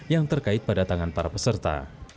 yang terkait pada tangan para peserta